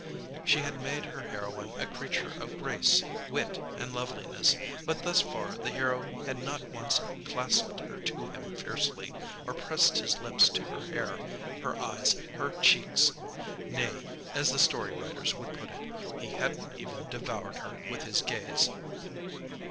She had made her heroine a creature of grace, wit, and loveliness, but thus far the hero had not once clasped her to him fiercely, or pressed his lips to her hair, her eyes, her cheeks. Nay (as the story writers would put it), he hadn't even devoured her with his gaze.